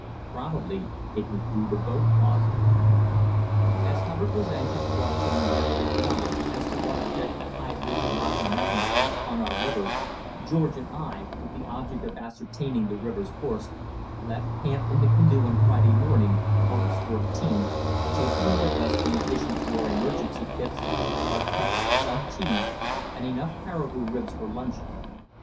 Probably it was due to both causes. As Hubbard was anxious to obtain definite knowledge as to what effect the high ridge of rocky mountains had upon our river, George and I, with the object of ascertaining the river's course, left camp in the canoe on Friday morning (August 14), taking with us, in addition to our emergency kits, our cups, some tea, and enough caribou ribs for luncheon.